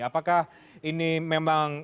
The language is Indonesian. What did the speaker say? apakah ini memang pertanda bahwa ini sudah muncul